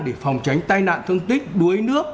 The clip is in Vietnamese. để phòng tránh tai nạn thương tích đuối nước